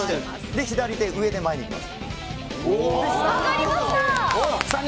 左手、上で前にいきます。